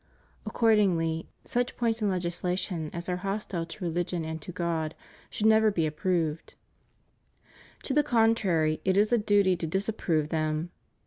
... Accordingly, such points in legislation as are hostile to rehgion and to God should never be approved; to the contrary, it is a duty to disapprove them.